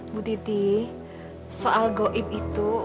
bu diti soal gaib itu